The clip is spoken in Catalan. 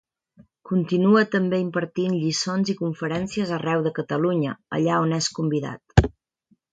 Continua també impartint lliçons i conferències arreu de Catalunya, allà on és convidat.